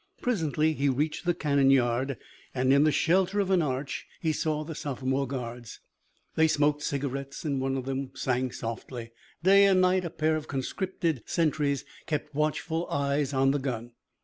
Presently he reached the cannon yard, and in the shelter of an arch he saw the sophomore guards. They smoked cigarettes, and one of them sang softly. Day and night a pair of conscripted sentries kept watchful eyes on the gun.